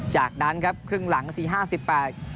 จากนั้นครับครึ่งหลังนาทีห้าสิบแปด